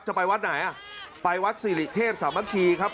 จะไปวัดไหนอ่ะไปวัดสิริเทพสามัคคีครับ